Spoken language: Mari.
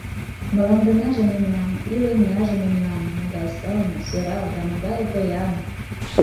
Мландынаже мемнан, илемнаже мемнан, Могай сылне, сӧрал да могае поян!